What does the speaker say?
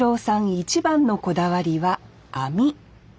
一番のこだわりは網。